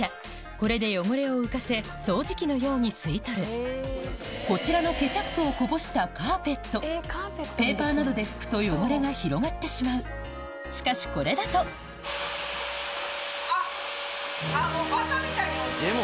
これで汚れを浮かせ掃除機のように吸い取るこちらのケチャップをこぼしたカーペットペーパーなどで拭くと汚れが広がってしまうしかしこれだともうバカみたいに落ちる。